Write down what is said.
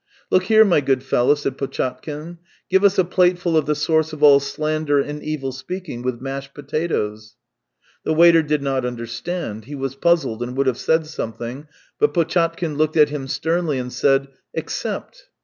Look here, my good fellow," said Potchatkin. " Give us a plateful of the source of all slander and evil speaking, with mashed potatoes." The waiter did not understand; he was puzzled, and would have said something, but Potchatkin looked at him sternly and said: Except."